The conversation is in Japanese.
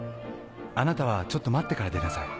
あなたはちょっと待ってから出なさい。